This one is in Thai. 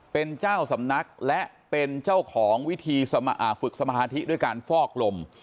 เป็นเจ้าสำนักและเป็นเจ้าของวิธีฝึกสมาธิด้วยการฟอกลม